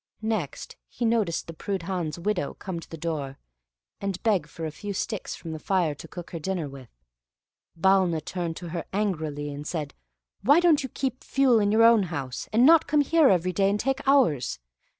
Next he noticed the Prudhan's widow come to the door, and beg for a few sticks from the fire to cook her dinner with. Balna turned to her, angrily, and said, "Why don't you keep fuel in your own house, and not come here every day and take ours?